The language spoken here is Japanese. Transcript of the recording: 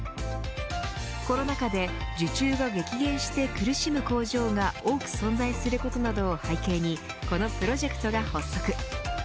コロナ禍で受注が激減して苦しむ工場が多く存在することなどを背景にこのプロジェクトが発足。